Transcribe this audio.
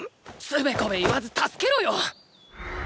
つべこべ言わず助けろよ！！